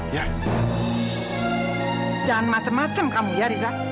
jangan macem macem kamu ya riza